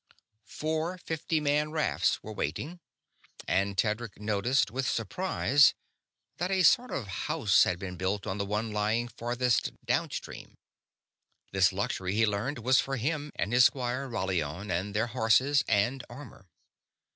Four fifty man rafts were waiting, and Tedric noticed with surprise that a sort of house had been built on the one lying farthest down stream. This luxury, he learned, was for him and his squire Rahlion and their horses and armor!